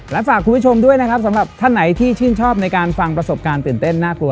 และฝากคุณผู้ชมด้วยนะครับสำหรับท่านไหนที่ชื่นชอบในการฟังประสบการณ์ตื่นเต้นน่ากลัว